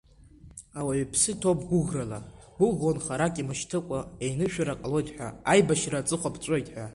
Ауаҩ иԥсы ҭоуп гәыӷрала, ҳгәыӷуан харак имышьҭыкәа еинышәарак ҟалоит, аибашьра аҵыхәа ԥҵәоит ҳәа…